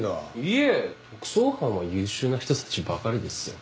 いえ特捜班は優秀な人たちばかりですよ。